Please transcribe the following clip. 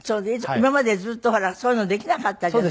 今までずっとほらそういうのできなかったじゃない。